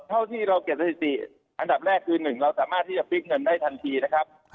เท่าที่เราเก็บสถิติอันดับแรกคือ๑เราสามารถที่จะฟิกเงินได้ทันทีนะครับ